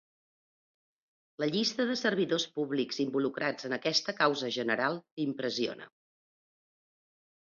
La llista de servidors públics involucrats en aquesta causa general impressiona.